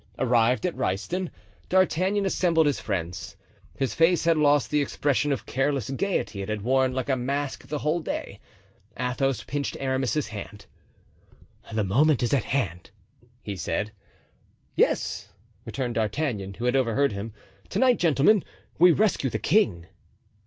Arrived at Ryston, D'Artagnan assembled his friends. His face had lost the expression of careless gayety it had worn like a mask the whole day. Athos pinched Aramis's hand. "The moment is at hand," he said. "Yes," returned D'Artagnan, who had overheard him, "to night, gentlemen, we rescue the king."